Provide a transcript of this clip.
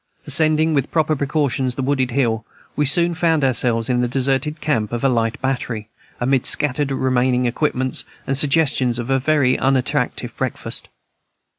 Ascending, with proper precautions, the wooded hill, we soon found ourselves in the deserted camp of a light battery, amid scattered equipments and suggestions of a very unattractive breakfast.